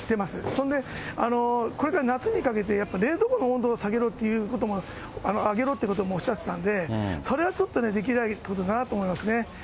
それで、これから夏にかけて、やっぱり冷蔵庫の温度を上げろってこともおっしゃってたんで、それはちょっとね、できないことだなと思いますね。